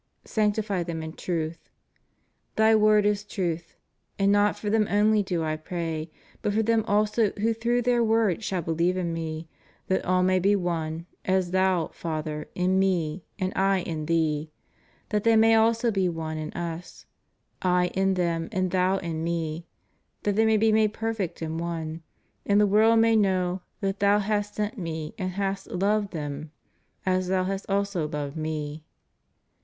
... Sanctify them in truth. Thy word is truth. ... And not for them only do I pray, hut for them also who through their word shall believe in Me: that all may he one, as Thou, Father, in Me, and I in Thee; that they also may be one in Us. ... I in them and Thou in Me: that they may he made 'perfect in one: and the world may know that Thou hast sent Me and hast loved them, as Thou hast also loved Me.